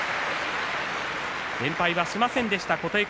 連敗しませんでした琴恵光。